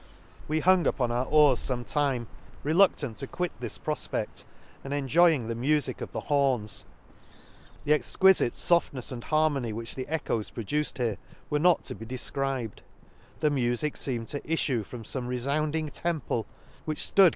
— We hung upon our oars fome time, reludlant to quit this profpect, and enjoy ing the mufic of the horns ;— the exqui fite foftnefs and harmony which the echoes produced here, were not to be de fcribed ;— the mufic feemed to iffiie from fome refounding temple, which flood con the Lakes.